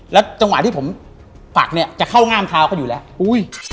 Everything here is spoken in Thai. แล้วจังหวะที่ผมปักจะเข้าง่ามเท้าก็อยู่แล้ว